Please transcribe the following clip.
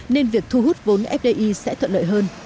nên việc thu hút vốn fdi sẽ thuận lợi hơn